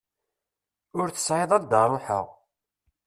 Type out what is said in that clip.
Ur tesɛiḍ anda ruḥeɣ.